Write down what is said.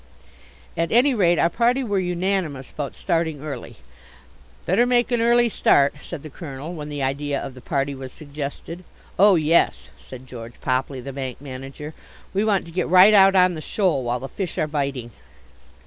At any rate our party were unanimous about starting early. "Better make an early start," said the Colonel, when the idea of the party was suggested. "Oh, yes," said George Popley, the bank manager, "we want to get right out on the shoal while the fish are biting."